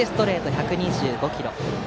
１２５キロ。